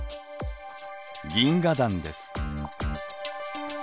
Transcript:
銀河団です。